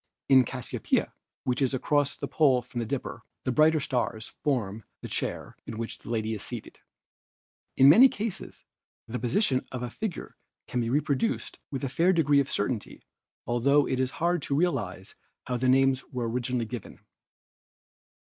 In Cas siopeia, which is across the pole from the Dipper, the 262 ASTRONOMY brighter stars form the chair .in which a lady is seated In many cases the position of a figure can be reproduced with a fair degree of certainty, altho it is hard to realize how the names were originally given.